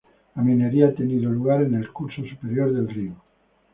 La minería ha tenido lugar en el curso superior del río.